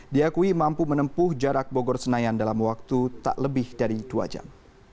diakui mampu menempuh jarak bogor senayan dalam waktu tak lebih dari dua jam